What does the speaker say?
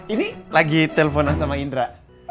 ini lagi telponan sama ndra